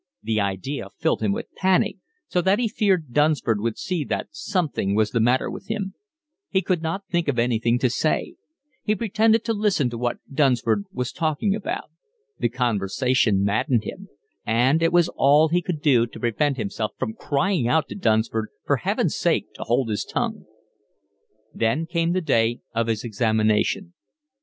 The idea filled him with panic, so that he feared Dunsford would see that something was the matter with him: he could not think of anything to say; he pretended to listen to what Dunsford was talking about; the conversation maddened him; and it was all he could do to prevent himself from crying out to Dunsford for Heaven's sake to hold his tongue. Then came the day of his examination.